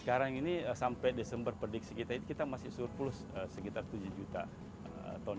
sekarang ini sampai desember prediksi kita ini kita masih surplus sekitar tujuh juta ton